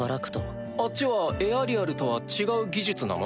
あっちはエアリアルとは違う技術なの？